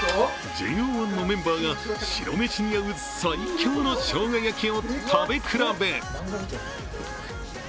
ＪＯ１のメンバーが白飯に合う最強のしょうが焼きを食べ比べ。